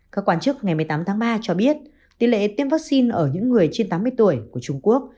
các quan chức ngày một mươi tám tháng ba cho biết tỷ lệ tiêm vaccine ở những người trên tám mươi tuổi của trung quốc